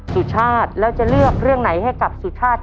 สุชาติแล้วจะเลือกเรื่องไหนให้กับสุชาติ